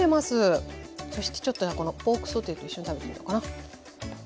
そしてちょっとこのポークソーテーと一緒に食べてみようかな。